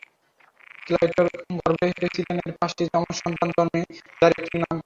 ক্লেইটোর গর্ভে পেসিডনের পাঁচটি যমজ সন্তান জন্মে, যার একটির নাম অ্যাটলাস।